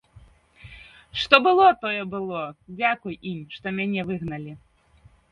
Што было, тое было, дзякуй ім, што мяне выгналі.